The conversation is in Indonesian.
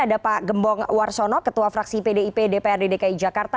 ada pak gembong warsono ketua fraksi pdip dprd dki jakarta